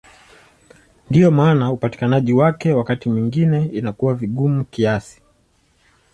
Ndiyo maana upatikanaji wake wakati mwingine inakuwa vigumu kiasi.